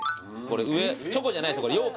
これ上チョコじゃないですよ